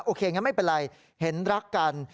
โอเคงั้นไม่เป็นไรเห็นรักกัน